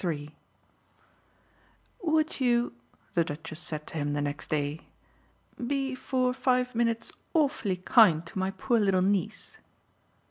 III "Would you" the Duchess said to him the next day, "be for five minutes awfully kind to my poor little niece?"